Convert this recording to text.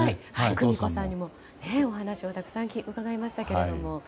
久美子さんにもお話をたくさん伺いましたけれども。